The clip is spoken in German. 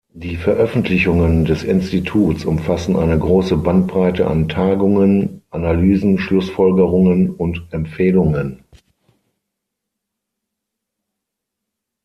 Die Veröffentlichungen des Instituts umfassen eine große Bandbreite an Tagungen, Analysen, Schlussfolgerungen und Empfehlungen.